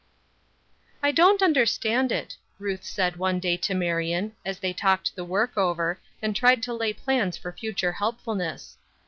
"I don't understand it," Ruth said one day to Marion, as they talked the work over, and tried to lay plans for future helpfulness.